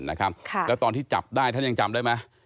แล้วตอนที่จับได้ท่านยังจำได้ไหม